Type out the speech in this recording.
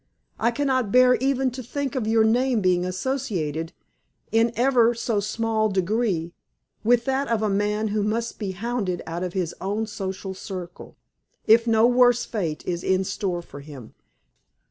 I cannot bear even to think of your name being associated, in ever so small degree, with that of a man who must be hounded out of his own social circle, if no worse fate is in store for him."